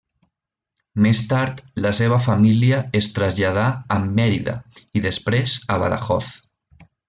Més tard la seva família es traslladarà a Mèrida i després a Badajoz.